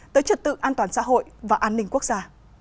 tới trật tự an toàn xã hội và an ninh quốc gia